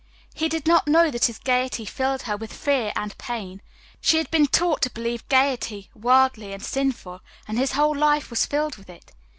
He did not know that his gayety filled her with fear and pain. She had been taught to believe gayety worldly and sinful, and his whole life was filled with it.